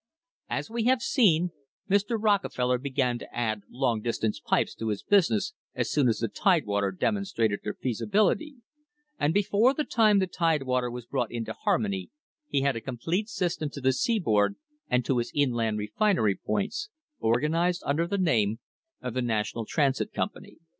As we have seen, Mr. Rockefeller began to add long distance pipe lines to his business as soon as the Tidewater demonstrated their feasibility, and before the time the Tide water was brought into harmony he had a complete system to the seaboard and to his inland refinery points, organised under the name of the National Transit Company.